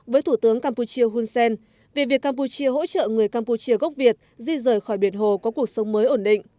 với thủ tướng campuchia hun sen về việc campuchia hỗ trợ người campuchia gốc việt di rời khỏi biển hồ có cuộc sống mới ổn định